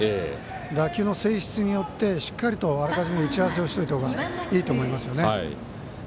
打球の性質によってしっかりとあらかじめ打ち合わせをしたほうがいいと思いますね。